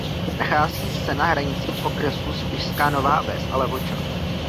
Nachází se na hranicích okresů Spišská Nová Ves a Levoča.